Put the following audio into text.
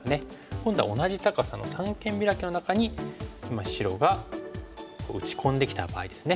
今度は同じ高さの三間ビラキの中に今白が打ち込んできた場合ですね。